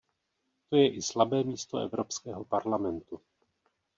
To je i slabé místo Evropského parlamentu.